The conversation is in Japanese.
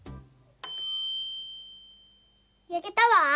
やけたわ！